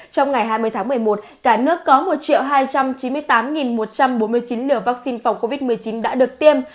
trong ngày hai mươi tháng một mươi một cả nước có một hai trăm chín mươi tám một trăm bốn mươi chín liều vaccine phòng covid một mươi chín đã được tiêm